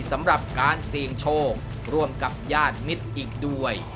สำหรับการเสี่ยงโชคร่วมกับญาติมิตรอีกด้วย